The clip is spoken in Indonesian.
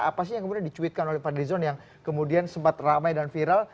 apa sih yang kemudian dicuitkan oleh fadlizon yang kemudian sempat ramai dan viral